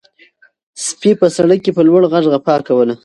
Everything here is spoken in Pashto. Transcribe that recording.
سپي په سړک کې په لوړ غږ غپا کوله.